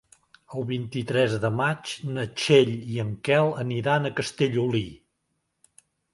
El vint-i-tres de maig na Txell i en Quel aniran a Castellolí.